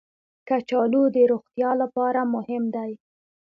کچالو د روغتیا لپاره مهم دي